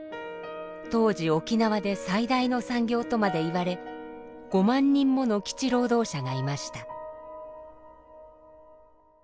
当時沖縄で最大の産業とまでいわれ５万人もの基地労働者がいました。